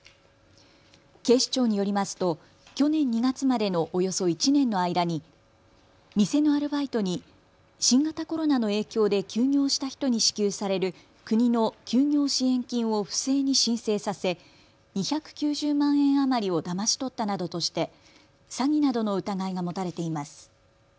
警視庁によりますと去年２月までのおよそ１年の間に店のアルバイトに新型コロナの影響で休業した人に支給される国の休業支援金を不正に申請させ２９０万円余りをだまし取ったなどとして詐欺などの疑いが持たれています。